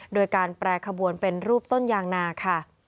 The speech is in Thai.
โดยการแปรขบวนเป็นรูปต้นยางนาค่ะ